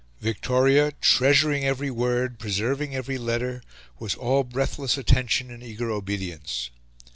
Victoria, treasuring every word, preserving every letter, was all breathless attention and eager obedience.